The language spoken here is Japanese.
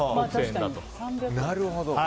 なるほど。